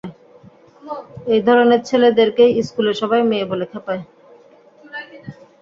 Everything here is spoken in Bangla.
এই ধরনের ছেলেদেরকেই স্কুলে সবাই মেয়ে বলে খেপায়।